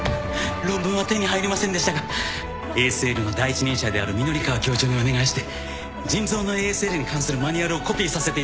論文は手に入りませんでしたがＡＳＬの第一人者である御法川教授にお願いして腎臓のＡＳＬに関するマニュアルをコピーさせていただきました。